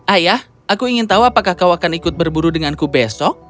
ayah aku ingin tahu apakah kau akan ikut berburu denganku besok